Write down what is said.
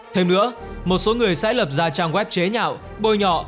thêm nữa một số người sẽ lập ra trang web chế nhạo bôi nhọ